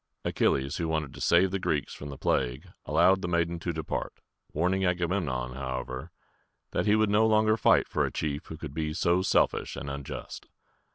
Achilles, who wanted to save the Greeks from the plague, allowed the maiden to depart, warning Agamemnon, however, that he would no longer fight for a chief who could be so selfish and unjust.